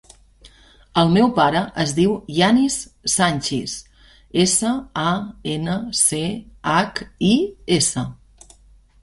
El meu pare es diu Yanis Sanchis: essa, a, ena, ce, hac, i, essa.